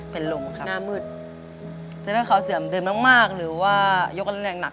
เธอถ้าเคาเสื่อมเดินมากหรือว่ายกอะไรแน่นำหนัก